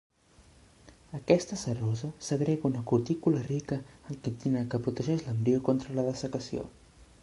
Aquesta serosa segrega una cutícula rica en quitina que protegeix l'embrió contra la dessecació.